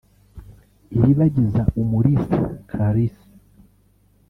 Iribagiza Umulisa Clarisse